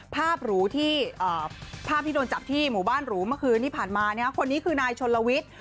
หรูที่ภาพที่โดนจับที่หมู่บ้านหรูเมื่อคืนที่ผ่านมาคนนี้คือนายชนลวิทย์